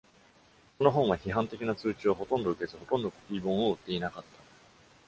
その本は批判的な通知をほとんど受けず、ほとんどコピー本を売っていなかった。